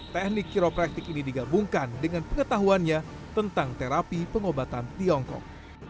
teknik kiropraktik ini digabungkan dengan pengetahuannya tentang terapi pengobatan tiongkok